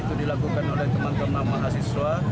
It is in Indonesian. itu dilakukan oleh teman teman mahasiswa